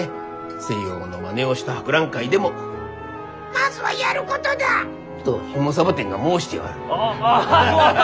西洋のマネをした博覧会でも「まずはやることだ！」とヒモサボテンが申しておる。